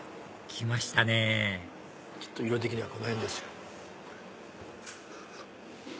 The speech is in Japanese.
きましたねきっと色的にはこの辺ですよ。